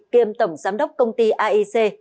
kiêm tổng giám đốc công ty aec